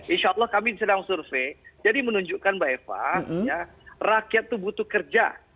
insya allah kami sedang survei jadi menunjukkan mbak eva rakyat itu butuh kerja